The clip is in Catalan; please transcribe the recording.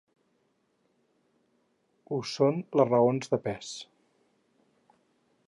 Ho són les raons de pes.